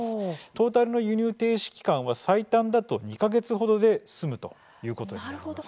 トータルの輸入停止期間は最短だと２か月ほどで済むということになります。